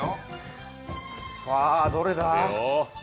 さあ、どれだ？